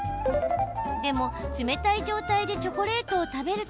でも、冷たい状態でチョコレートを食べると